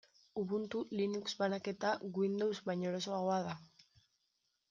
Ubuntu, Linux banaketa, Windows baino erosoagoa da.